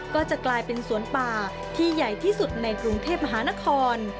ก็จะกลายเป็นสวนป่าที่ใหญ่ที่สุดในกรุงเทพมหานคร